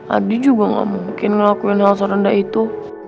abdi juga gak mungkin ngelakuin hal serendah itu